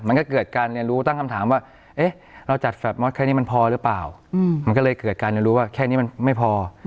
มันก็เกิดการเรียนรู้ตั้งคำถามว่าเราจัดแฟลตมอสแค่นี้มันพอหรือเปล่ามันก็เลยเกิดการเรียนรู้ว่าแค่นี้มันไม่พอ